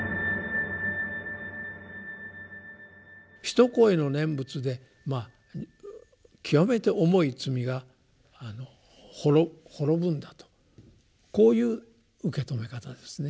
一声の念仏で極めて重い罪が滅ぶんだとこういう受け止め方ですね。